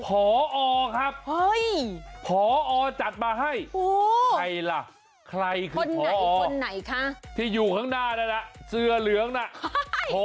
ผอครับผอจัดมาให้ใครล่ะใครคือผอที่อยู่ข้างหน้านะเสื้อเหลืองนะผอครับ